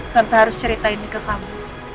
tanpa harus cerita ini ke kamu